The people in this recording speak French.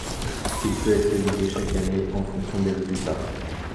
Il peut être révisé chaque année, en fonction des résultats.